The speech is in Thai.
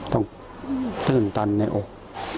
ต้องบาทิ่นตันในอก